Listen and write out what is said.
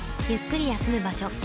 ゆっくり休む場所